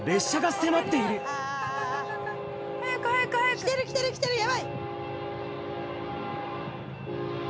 来てる、来てる、来てる、やばい。